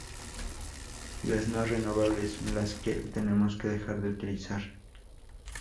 Las no renovables son las que tenemos que dejar de utilizar.